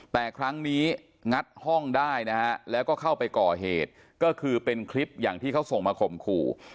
แต่ครั้งนี้งัดห้องได้นะฮะแล้วก็เข้าไปก่อเหตุก็คือเป็นคลิปอย่างที่เขาส่งมาข่มขู่